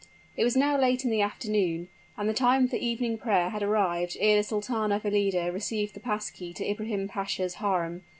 It was now late in the afternoon, and the time for evening prayer had arrived ere the Sultana Valida received the pass key to Ibrahim Pasha's harem.